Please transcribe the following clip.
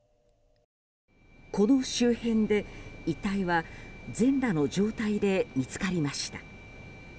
この周辺で遺体は全裸の状態で見つかりました。